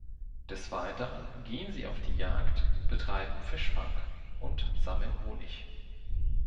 Des Weiteren gehen sie auf die Jagd, betreiben Fischfang und sammeln Honig.